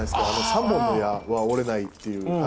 「三本の矢は折れない」っていう。